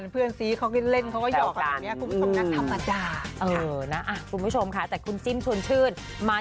เพื่อนที่ลุงรงรักที่สุด